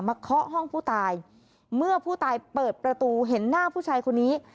เคาะห้องผู้ตายเมื่อผู้ตายเปิดประตูเห็นหน้าผู้ชายคนนี้